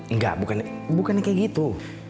enggak bukannya kayak gitu